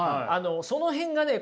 その辺がね